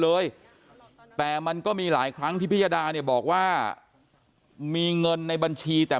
เลยแต่มันก็มีหลายครั้งที่พิยดาเนี่ยบอกว่ามีเงินในบัญชีแต่